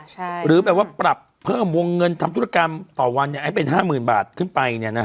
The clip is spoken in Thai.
ใช่ค่ะใช่หรือแปลว่าปรับเพิ่มวงเงินทำธุรกรรมต่อวันให้เป็น๕๐๐๐๐บาทขึ้นไปเนี่ยนะฮะ